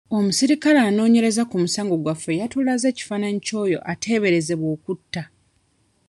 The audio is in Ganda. Omuserikale anoonyereza ku musango gwaffe yatulaze ekifaananyi ky'oyo ateeberezebwa okutta.